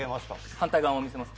反対側も見せます。